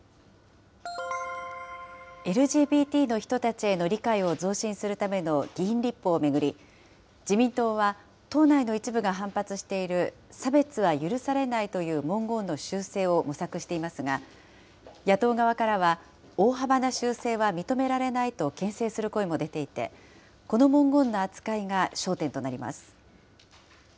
ＬＧＢＴの人たちへの理解を増進するための議員立法を巡り、自民党は党内の一部が反発している差別は許されないという文言の修正を模索していますが、野党側からは大幅な修正は認められないとけん制する声も出ていて、この文言の扱いが焦点となります。